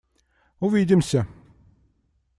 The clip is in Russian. Увидимся!